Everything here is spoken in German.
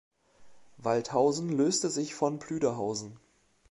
Waldhausen löste sich von Plüderhausen.